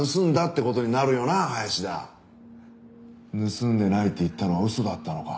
盗んでないって言ったのは嘘だったのか？